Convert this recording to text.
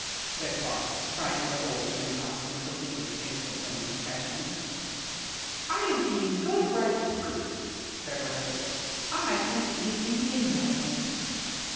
said Fox, trying to hold him in talk until he could think of a plan to catch him. "I am eating good ripe fruit," said Rabbit. "I am eating Indian melons."